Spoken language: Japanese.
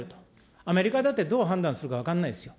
アメリカだってどう判断するか分かんないですよ。